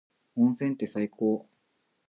温泉って最高。